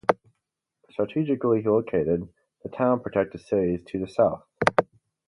Strategically located, the town protected cities to the south.